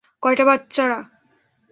কয়টা, বাচ্চারা?